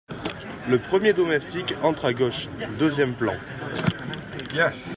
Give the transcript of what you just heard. Le premier domestique entre à gauche, deuxième plan.